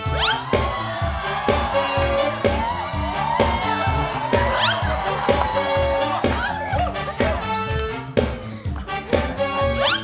ว้าว